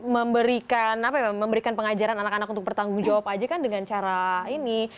memberikan apa ya memberikan pengajaran anak anak untuk bertanggung jawab aja kan dengan cara ini